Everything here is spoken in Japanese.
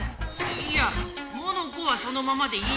いやモノコはそのままでいいんだよ。